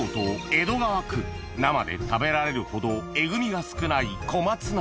生で食べられるほどエグみが少ない小松菜